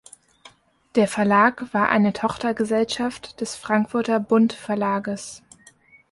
Der Verlag war eine Tochtergesellschaft des Frankfurter Bund-Verlages.